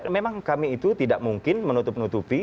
memang kami itu tidak mungkin menutup nutupi